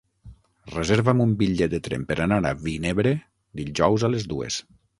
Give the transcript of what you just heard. Reserva'm un bitllet de tren per anar a Vinebre dijous a les dues.